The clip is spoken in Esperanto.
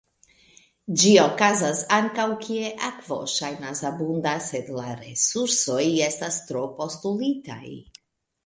Ĝi okazas ankaŭ kie akvo ŝajnas abunda sed la resursoj estas tro-postulitaj.